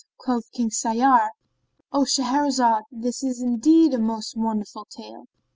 Quoth King Shahryar, "O Shahrazad, this is indeed a most wonderful tale!"